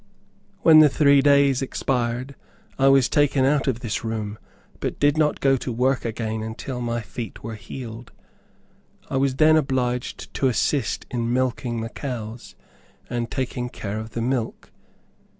When the three days expired, I was taken out of this room, but did not go to work again till my feet were healed. I was then obliged to assist in milking the cows, and taking care of the milk.